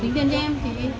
đính tiền cho em